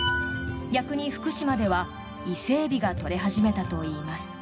逆に、福島では伊勢エビが取れ始めたといいます。